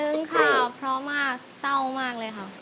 ซึ้งครับพร้อมมากเศร้ามากเลยครับ